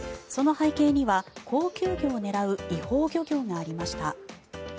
その背景には高級魚を狙う違法漁業がありました。